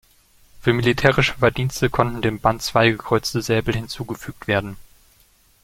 Für militärische Verdienste konnten dem Band zwei gekreuzte Säbel hinzugefügt werden.